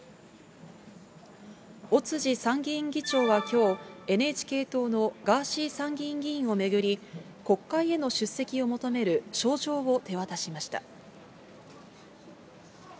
尾辻参議院議長はきょう、ＮＨＫ党のガーシー参議院議員を巡り、国会への出席を求める招状を手渡しました。